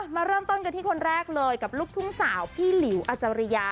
มาเริ่มต้นกันที่คนแรกเลยกับลูกทุ่งสาวพี่หลิวอาจารยา